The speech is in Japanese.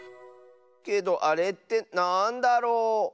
けどあれってなんだろう。